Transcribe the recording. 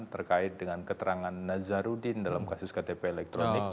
terkait dengan keterangan nazarudin dalam kasus ktp elektronik